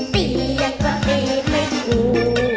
ตียังกระเต้ไหมกู